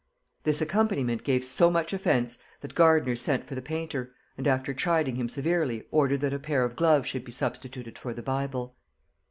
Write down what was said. This accompaniment gave so much offence, that Gardiner sent for the painter; and after chiding him severely, ordered that a pair of gloves should be substituted for the bible.